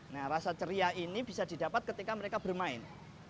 nah rasa ceria ini bisa didapat ketika mereka bermain